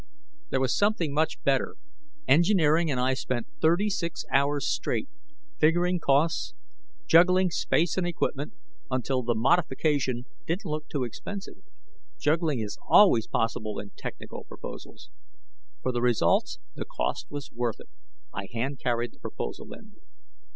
There was something much better; engineering and I spent 36 hours straight, figuring costs, juggling space and equipment, until the modification didn't look too expensive juggling is always possible in technical proposals. For the results, the cost was worth it. I hand carried the proposal in.